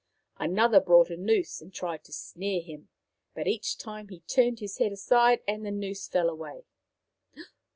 Another brought a noose and tried to snare him, but each time he turned his head aside and the noose fell away.